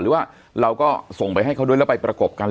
หรือว่าเราก็ส่งไปให้เขาด้วยแล้วไปประกบกัน